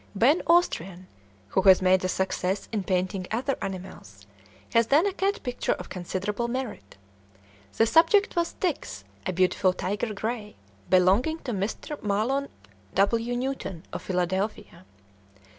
Ben Austrian, who has made a success in painting other animals, has done a cat picture of considerable merit. The subject was Tix, a beautiful tiger gray, belonging to Mr. Mahlon W. Newton, of Philadelphia.